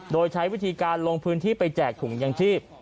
โดยใช้วิธีการลงพื้นที่ไปแจกถุงยังชีพ